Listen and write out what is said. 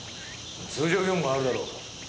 通常業務があるだろう。